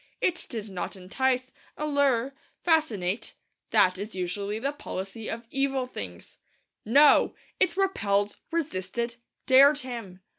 It did not entice, allure, fascinate; that is usually the policy of evil things. No; it repelled, resisted, dared him!